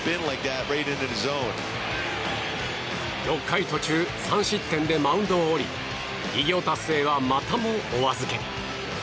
６回途中３失点でマウンドを降り偉業達成は、またもお預け。